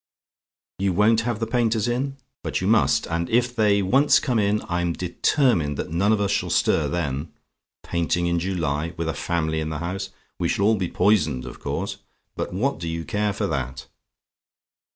"YOU WON'T HAVE THE PAINTERS IN? "But you must; and if they once come in, I'm determined that none of us shall stir then. Painting in July, with a family in the house! We shall all be poisoned, of course; but what do you care for that?